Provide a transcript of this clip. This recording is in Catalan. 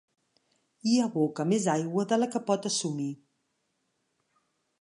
Hi aboca més aigua de la que pot assumir.